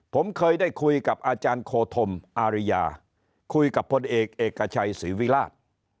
ผมเคยได้คุยกับอาจารย์โคธมอาริยาคุยกับพลเอกเอกชัยศรีวิราช